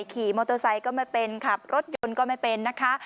ขี่มอเตอร์ไซค์ก็ไม่เป็นขับรถยนต์ก็ไม่เป็นนะคะ